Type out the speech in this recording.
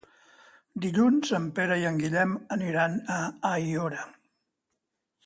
Dilluns en Pere i en Guillem aniran a Aiora.